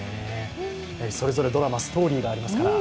それぞれドラマ、ストーリーがありますから。